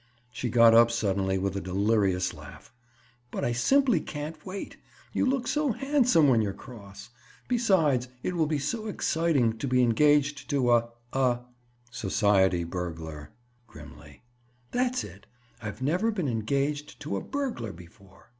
She got up suddenly with a little delirious laugh. "But I simply can't wait. You look so handsome when you're cross. Besides, it will be so exciting to be engaged to a—a—" "Society burglar—" grimly. "That's it. I've never been engaged to a burglar before!"